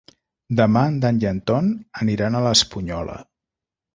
Demà en Dan i en Ton aniran a l'Espunyola.